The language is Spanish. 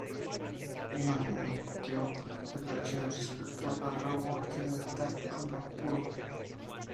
No emitió declaraciones respecto a Aragua y Delta Amacuro.